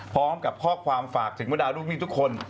พร้อมกับข้อความฝากถึงบรรดาลูกหนี้ทุกคน